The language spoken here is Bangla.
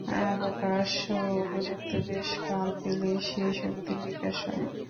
অবকাশ ও উপযুক্ত দেশ কাল পেলেই সেই শক্তির বিকাশ হয়।